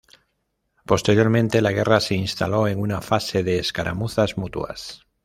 Posteriormente, la guerra se instaló en una fase de escaramuzas mutuas.